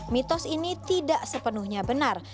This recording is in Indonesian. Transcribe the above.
mitos ini tidak sepenuhnya benar